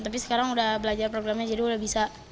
tapi sekarang udah belajar programnya jadi udah bisa